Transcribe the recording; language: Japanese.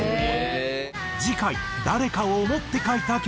次回誰かを想って書いた曲。